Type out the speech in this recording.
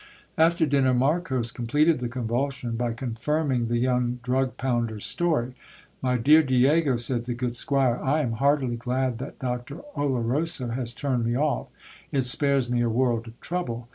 After dinner, Marcos completed the convulsion, by confirming the young drug pounder's story : My dear Diego, said the good squire, I am heartily glad that Doctor Oloroso has turned me off; it spares me a world of trouble.